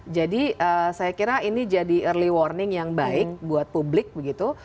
jadi saya kira ini jadi early warning yang baik buat publik begitu